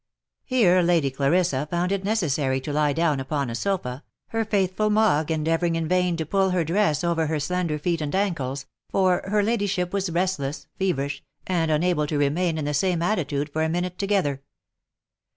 Here. Lady Clarissa found it necessary to lie down upon a sofa, her faithful Mogg endeavouring in vain to pull her dress over her slender feet and ankles, for her ladyship was restless, feverish, and unable to remain in the same attitude for a minute together.